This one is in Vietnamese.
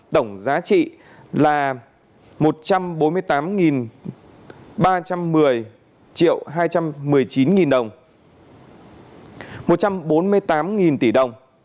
tổng giá trị là một trăm bốn mươi tám ba trăm một mươi triệu hai trăm một mươi chín đồng một trăm bốn mươi tám tỷ đồng